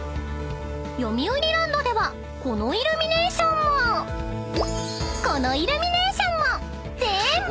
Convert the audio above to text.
［よみうりランドではこのイルミネーションもこのイルミネーションも］